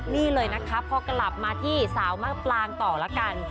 นี่เลยนะคะพอกลับมาที่สาวมากปลางต่อละกัน